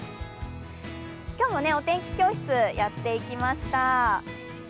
今日もお天気教室やっていきました。